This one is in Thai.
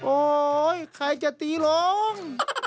โอ๊ยใครจะตีลง